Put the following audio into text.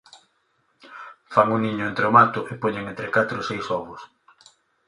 Fan o niño entre o mato e poñen entre catro e seis ovos.